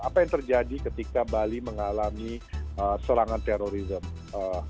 apa yang terjadi ketika bali mengalami serangan terorisme